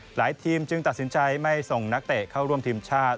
หลายทีมจึงตัดสินใจไม่ส่งนักเตะเข้าร่วมทีมชาติ